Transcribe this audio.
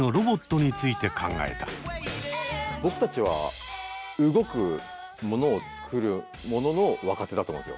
僕たちは動くものをつくるものの若手だと思うんですよ。